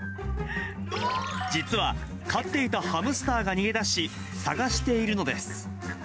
実は、飼っていたハムスターが逃げ出し、捜しているのです。